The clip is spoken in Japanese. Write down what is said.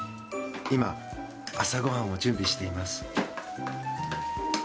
今、朝ご飯を準備しています。